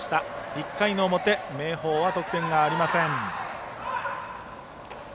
１回の表明豊は得点がありません。